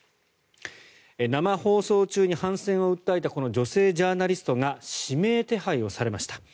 生放送中に反戦を訴えた女性ジャーナリストが指名手配をされました。